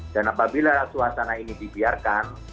dan apabila suasana ini dibiarkan